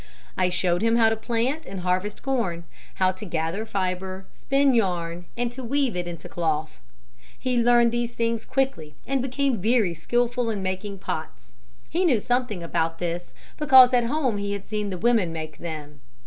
I showed him how to plant and harvest corn, how to gather fibre, spin yarn and to weave it into cloth. He learned these things quickly and became very skillful in making pots. He knew something about this because at home he had seen the women make them.